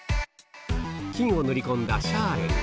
菌を塗り込んだシャーレ。